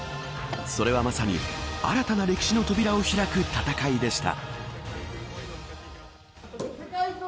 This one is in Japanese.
それは、まさに新たな歴史の扉を開く戦いでした。